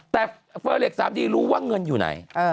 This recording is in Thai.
แต่เฟอร์เล็ก๓ดีรู้ว่าเงินอยู่ไหน